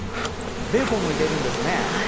ベーコンも入れるんですね。